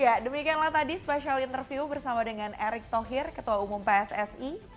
ya demikianlah tadi special interview bersama dengan erick thohir ketua umum pssi